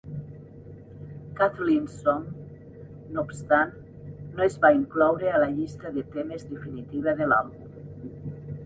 "Kathleen's Song", no obstant, no es va incloure a la llista de temes definitiva de l'àlbum.